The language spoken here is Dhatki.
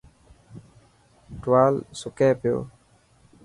ٽوال سڪي پيو.